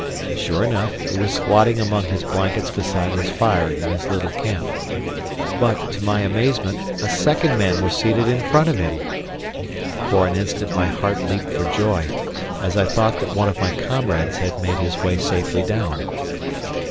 Sure enough, he was squatting among his blankets beside his fire in his little camp. But, to my amazement, a second man was seated in front of him. For an instant my heart leaped for joy, as I thought that one of my comrades had made his way safely down.